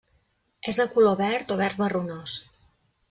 És de color verd o verd marronós.